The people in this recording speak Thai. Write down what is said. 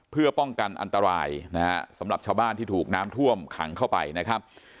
เพื่อป้องกันอันตรายนะฮะสำหรับชาวบ้านที่ถูกน้ำท่วมขังเข้าไปนะครับ